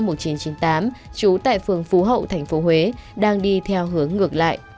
trần văn quốc hát sinh năm một nghìn chín trăm chín mươi tám trú tại phường phú hậu tp huế đang đi theo hướng ngược lại